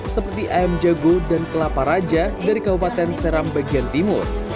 seperti ayam jago dan kelapa raja dari kabupaten seram bagian timur